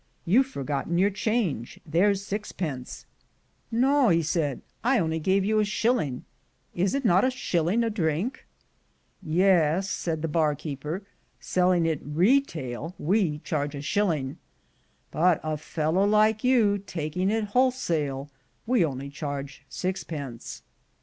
you've forgot your change — there's sixpence." "No," 80 THE GOLD HUNTERS he said, "I only gave you a shilling; is not it a shil ling a drink?" "Yes," said the bar keeper; "selling it retail we charge a shilling, but a fellow like you taking it wholesale we only charge sixpence.